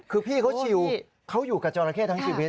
คือพี่เขาชิวเขาอยู่กับจราเข้ทั้งชีวิต